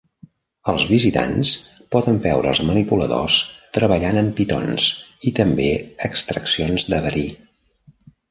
Els visitants poden veure als manipuladors treballant amb pitons i també extraccions de verí.